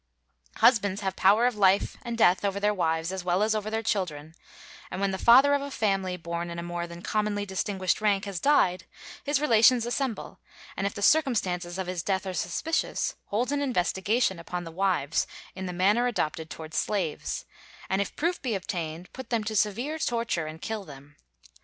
Husbands have power of life and death over their wives as well as over their children: and when the father of a family born in a more than commonly distinguished rank has died, his relations assemble, and if the circumstances of his death are suspicious, hold an investigation upon the wives in the manner adopted towards slaves; and if proof be obtained, put them to severe torture and kill them.